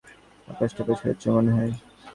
আকাশটা পরিষ্কার হচ্ছে, মনেহয়।